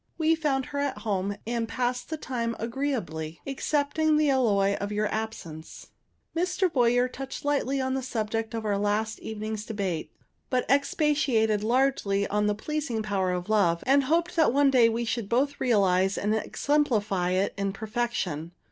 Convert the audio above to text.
We found her at home, and passed the time agreeably, excepting the alloy of your absence. Mr. Boyer touched lightly on the subject of our last evening's debate, but expatiated largely on the pleasing power of love, and hoped that we should one day both realize and exemplify it in perfection.